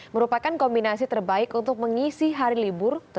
merupakan kombinasi terbaik untuk mengisi hari libur